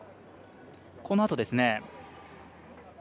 このあとですね。